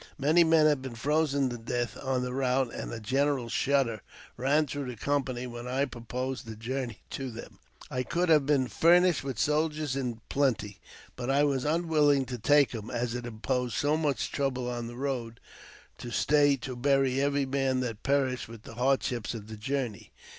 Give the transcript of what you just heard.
Many men had been frozen to death on the route, and a general shudder ran through the company when I proposed the journey to them. I could have been furnished with soldiers in plenty, but I was unwilling to take them, as it imposed so much trouble on the road to stay to bury every man that perished with the hard ships of the journey.